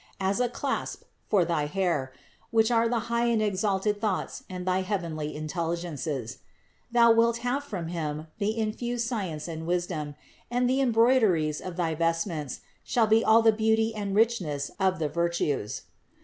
As a clasp for thy hair (which are the high and exalted thoughts and thy heavenly intelligences), thou wilt have from Him the infused science and wisdom, and the embroideries of thy vestments shall be all the beauty and richness of the vir tues.